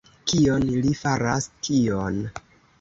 Kion li faras, kion?